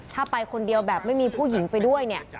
ถ้าไปคนเดียวแบบไม่มีผู้หญิงไปด้วยเนี่ย